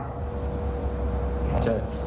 ใช่